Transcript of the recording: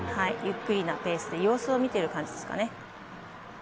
ゆっくりなペースで様子を見ている感じです。